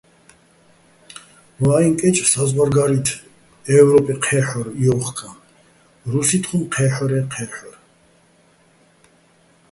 ვაჲჼ კეჭ საზღვარგა́რი́თ, ე́ვროპე ჴე́ჰ̦ორ ჲოხკაჼ, რუსი́თ ხუმ ჴე́ჰ̦ორე́ ჴე́ჰ̦ორ.